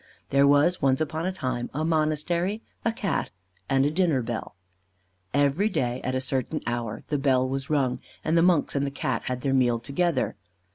There was once upon a time, a monastery, a Cat, and a dinner bell. Every day at a certain hour the bell was rung, and the monks and the Cat had their meal together.